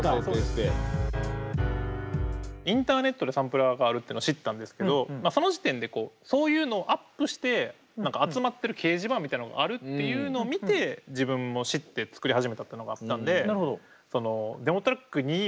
インターネットでサンプラーがあるっていうのを知ったんですけどその時点でそういうのをアップして何か集まってる掲示板みたいなのがあるっていうの見て自分も知って作り始めたっていうのがあったんでへえ。